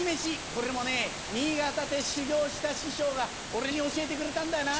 これもね新潟で修業した師匠が俺に教えてくれたんだよな。